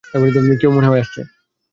কেউ মনে হয় এসেছে।